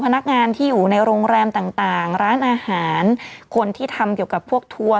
พนักงานที่อยู่ในโรงแรมต่างต่างร้านอาหารคนที่ทำเกี่ยวกับพวกทัวร์